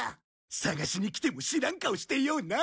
探しに来ても知らん顔してような。